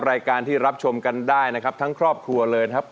รายการที่รับชมกันได้นะครับทั้งครอบครัวเลยนะครับ